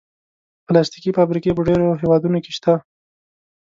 پلاستيکي فابریکې په ډېرو هېوادونو کې شته.